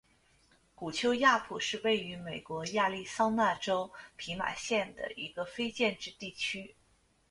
古丘亚普是位于美国亚利桑那州皮马县的一个非建制地区。